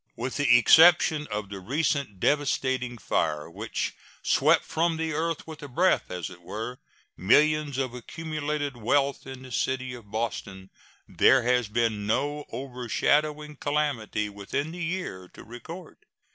With the exception of the recent devastating fire which swept from the earth with a breath, as it were, millions of accumulated wealth in the city of Boston, there has been no overshadowing calamity within the year to record.